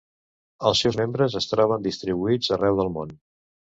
Els seus membres es troben distribuïts arreu del món.